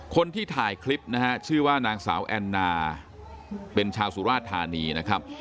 คนที่ถ่ายคลิปนะฮะชื่อว่านางสาวแอนนาเป็นชาวสุราชธานีนะครับ